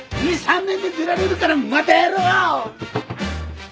２３年で出られるからまたやろう！